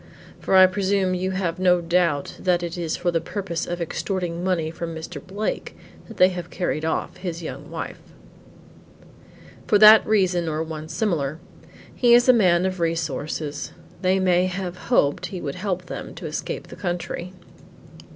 For I presume you have no doubt that it is for the purpose of extorting money from Mr. Blake that they have carried off his young wife." "For that reason or one similar. He is a man of resources, they may have hoped he would help them to escape the country."